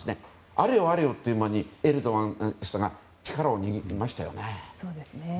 あれよあれよという間にエルドアンさんが力を得ました。